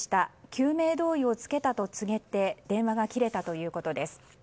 救命胴衣を着けたと告げて電話が切れたということです。